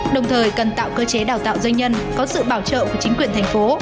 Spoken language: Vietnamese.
đồng thời cần tạo cơ chế đào tạo doanh nhân có sự bảo trợ của chính quyền thành phố